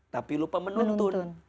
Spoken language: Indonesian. tapi lupa menuntun